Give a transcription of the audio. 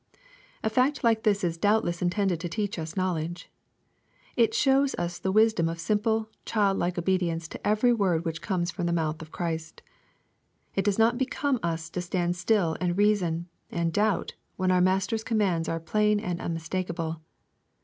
A fact like this is doubtless intended to teach us knowledge. It shows us the wisdom of simple, child like obedience to every word which comes from the mouth of Christ. It does not become us to stand still, and reason, and doubt, when oui Master's commands are plain and unmistakeable.